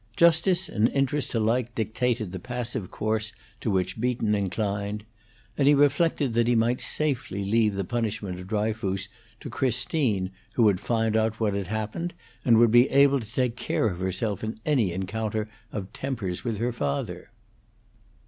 Justice and interest alike dictated the passive course to which Beaton inclined; and he reflected that he might safely leave the punishment of Dryfoos to Christine, who would find out what had happened, and would be able to take care of herself in any encounter of tempers with her father.